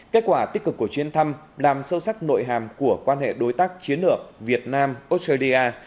kết quả tích cực của chuyến thăm làm sâu sắc nội hàm của quan hệ đối tác chiến lược việt nam australia